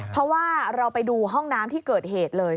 เพราะว่าเราไปดูห้องน้ำที่เกิดเหตุเลย